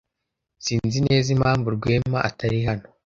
Sinzi neza impamvu Rwema atari hano.